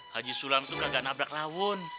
haji sulam itu udah gak nabrak rawun